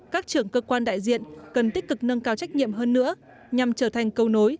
các trưởng cơ quan đại diện cần tích cực nâng cao trách nhiệm hơn nữa nhằm trở thành câu nối